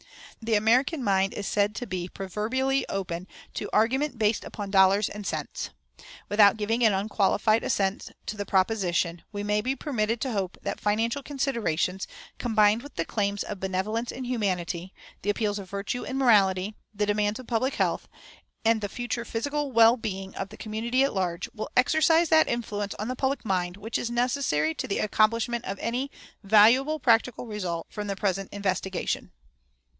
The American mind is said to be proverbially open to argument based upon dollars and cents. Without giving an unqualified assent to the proposition, we may be permitted to hope that financial considerations, combined with the claims of benevolence and humanity, the appeals of virtue and morality, the demands of public health, and the future physical well being of the community at large, will exercise that influence on the public mind which is necessary to the accomplishment of any valuable practical result from the present investigation.